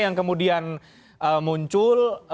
yang kemudian muncul